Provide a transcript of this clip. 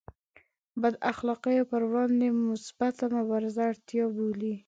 د بد اخلاقیو پر وړاندې مثبته مبارزه اړتیا بولي.